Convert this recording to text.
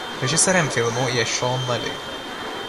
Režisérem filmu je Shawn Levy.